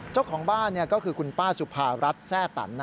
เจ้าของบ้านก็คือคุณป้าสุภารัฐแทร่ตัน